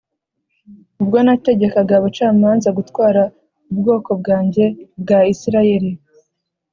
ubwo nategekaga abacamanza gutwara ubwoko bwanjye bwa Isirayeli